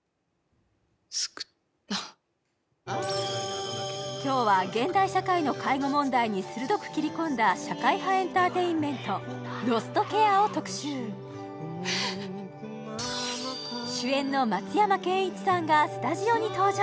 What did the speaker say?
救った今日は現代社会の介護問題に鋭く切り込んだ社会派エンターテインメント「ロストケア」を特集をたっぷり語っていただきます